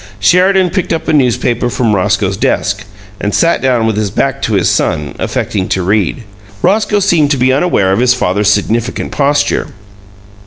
Sheridan picked up a newspaper from Roscoe's desk, and sat down with his back to his son, affecting to read. Roscoe seemed to be unaware of his father's significant posture.